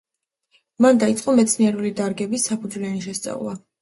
მან დაიწყო მეცნიერული დარგების საფუძვლიანი შესწავლა.